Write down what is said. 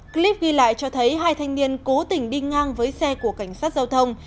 clip ghi lại cho thấy hai thanh niên cố tình đi ngang với xe của cảnh sát giao thông